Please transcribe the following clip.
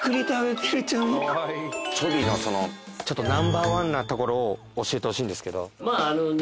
ちょみのナンバーワンなところを教えてほしいんですけど。